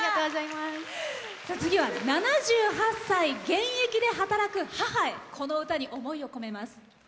次は７８歳、現役で働く母へこの歌に思いを込めます。